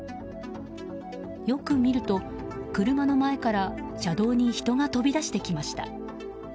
よく見ると車の前から車道に人が飛び出してきました。